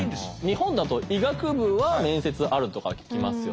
日本だと医学部は面接あるとかは聞きますよね。